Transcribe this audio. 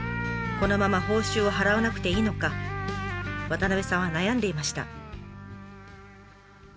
このまま報酬を払わなくていいのか渡部さんは悩んでいました。